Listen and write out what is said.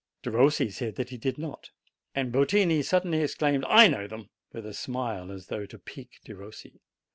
Derossi said that he did not, and Votini suddenly exclaimed, "I know them !" with a smile, as though to pique Derossi.